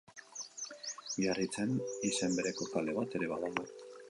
Biarritzen izen bereko kale bat ere badago.